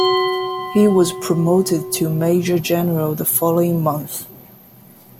He was promoted to major general the following month.